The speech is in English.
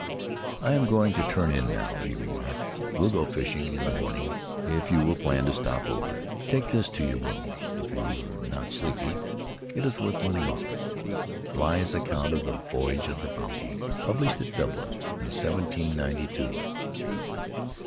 'I'm going to turn in now," he remarked; "we'll go fishing in the morning if you will plan to stop over. Take this to your room if you are not sleepy; it is worth run ning over — Eligh's account of the voyage of the Bounty, published at Dublin in seventeen ninety two."